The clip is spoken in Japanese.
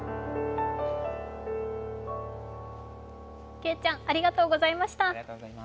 けいちゃんありがとうございました。